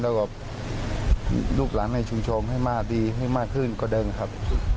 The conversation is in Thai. แล้วก็ลูกหลานในชุมชนให้มากดีให้มากขึ้นกว่าเดิมครับ